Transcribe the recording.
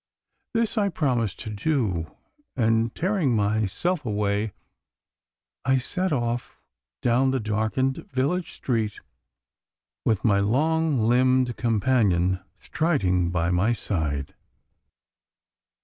This I promised to do, and tearing myself away I set off down the darkened village street, with my long limbed companion striding by my side.